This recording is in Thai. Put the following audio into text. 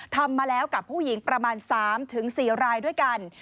ทำมาแล้วกับผู้หญิงประมาณ๓๔รายด้วยกัน